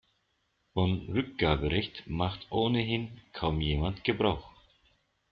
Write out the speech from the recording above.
Vom Rückgaberecht macht ohnehin kaum jemand Gebrauch.